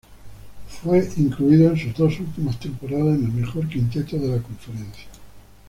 Fue incluido en sus dos últimas temporadas en el mejor quinteto de la conferencia.